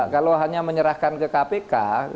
kalau hanya menyerahkan ke kpk